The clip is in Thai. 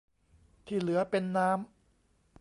ที่เหลือเป็นน้ำ